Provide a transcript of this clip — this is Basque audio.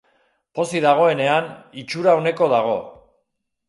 Pozik dagoenean, itxura oneko dago.